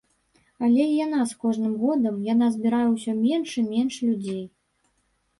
Але і яна з кожным годам яна збірае ўсё менш і менш людзей.